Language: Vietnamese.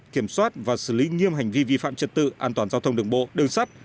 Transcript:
kiểm soát và xử lý nghiêm hành vi vi phạm trật tự an toàn giao thông đường bộ đường sắt